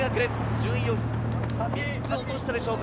順位を３つ落としたでしょうか？